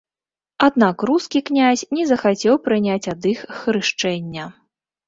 Аднак рускі князь не захацеў прыняць ад іх хрышчэння.